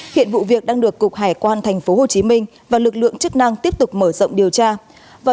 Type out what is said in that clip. hiện vụ việc đang được cục hải quan tp hcm và lực lượng chức năng tiếp tục mở rộng điều tra